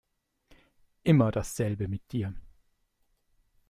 Immer dasselbe mit dir.